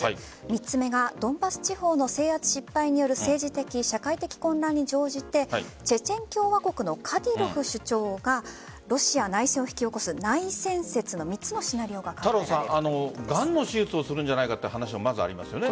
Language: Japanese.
３つ目がドンバス地方の制圧失敗による政治的、社会的混乱に乗じてチェチェン共和国のカディロフ首長がロシア内戦を引き起こす内戦説の３つのシナリオががんの手術をするんじゃないかという話もありますよね。